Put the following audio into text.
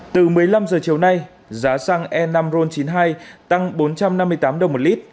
từ một mươi năm h chiều nay giá xăng e năm ron chín mươi hai tăng bốn trăm năm mươi tám đồng một lít